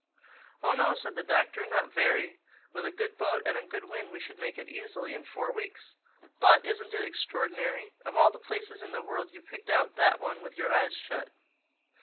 "Oh, no," said the Doctor—"not very. With a good boat and a good wind we should make it easily in four weeks. But isn't it extraordinary? Of all the places in the world you picked out that one with your eyes shut.